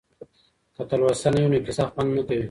که تلوسه نه وي نو کيسه خوند نه کوي.